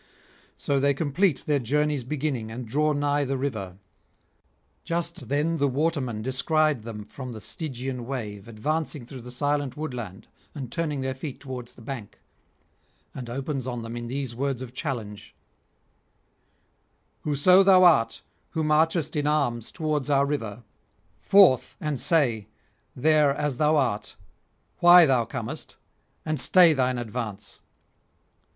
So they complete their journey's beginning, and draw nigh the river. Just then the waterman descried them from the Stygian wave advancing through the silent woodland and turning their feet towards the bank, and opens on them in these words of challenge: 'Whoso thou art who marchest in arms towards our river, forth and say, there as thou art, why thou comest, and stay thine advance.